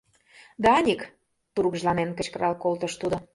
— Даник, — тургыжланен кычкырал колтыш тудо.